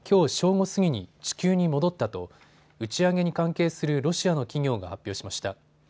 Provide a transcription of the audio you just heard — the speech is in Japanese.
午過ぎに地球に戻ったと打ち上げに関係するロシアの企業が発表しました。